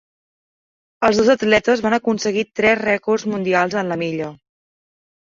Els dos atletes van aconseguir tres rècords mundials en la milla.